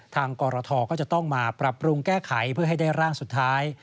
กรทก็จะต้องมาปรับปรุงแก้ไขเพื่อให้ได้ร่างสุดท้าย